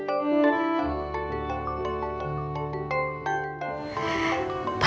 aku nanya kak dan rena